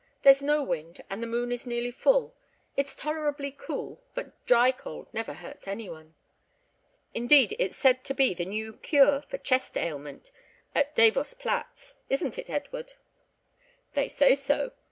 There's no wind, and the moon is nearly full. It's tolerably cool; but dry cold never hurts any one. Indeed, it's said to be the new cure for chest ailment at Davos Platz, isn't it, Edward?" "They say so.